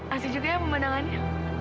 asyik juga ya pemenangannya